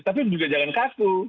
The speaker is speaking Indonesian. tapi juga jangan kaku